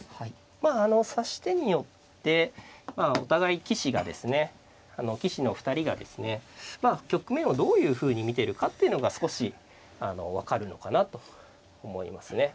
まああの指し手によってお互い棋士がですね棋士の２人がですね局面をどういうふうに見てるかっていうのが少し分かるのかなと思いますね。